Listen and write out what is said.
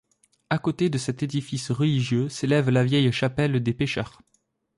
À côté de cet édifice religieux, s'élève la vieille chapelle des Pêcheurs.